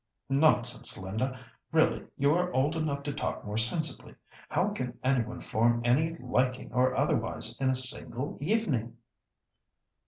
"Nonsense, Linda! Really you are old enough to talk more sensibly. How can any one form any liking or otherwise in a single evening?"